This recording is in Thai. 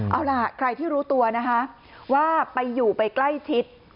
เอาล่ะใครที่รู้ตัวนะคะว่าไปอยู่ไปใกล้ชิด